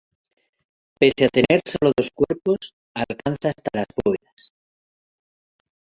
Pese a tener sólo dos cuerpos, alcanza hasta las bóvedas.